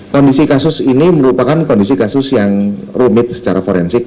kondisi kasus ini merupakan kondisi kasus yang rumit secara forensik